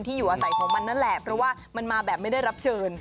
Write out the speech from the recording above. อยู่อาศัยของมันนั่นแหละเพราะว่ามันมาแบบไม่ได้รับเชิญ